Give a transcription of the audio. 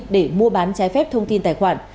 để mua bán trái phép thông tin tài khoản